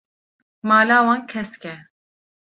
Mala wan kesk e.